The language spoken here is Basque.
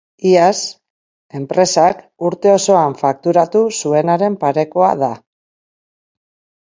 Iaz enpresak urte osoan fakturatu zuenaren parekoa da.